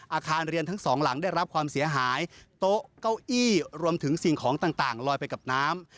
อาคารเรียนทั้งสองหลังได้รับความเสียหายโต๊ะเก้าอี้รวมถึงสิ่งของต่างลอยไปกับน้ำ